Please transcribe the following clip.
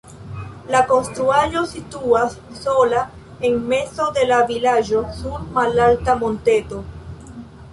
La konstruaĵo situas sola en mezo de la vilaĝo sur malalta monteto.